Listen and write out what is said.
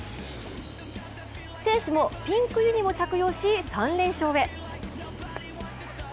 選手もピンクユニを着用し３連勝へ。